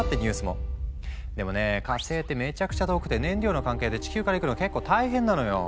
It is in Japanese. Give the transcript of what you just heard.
でもね火星ってめちゃくちゃ遠くて燃料の関係で地球から行くの結構大変なのよ。